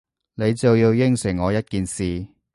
你就要應承我一件事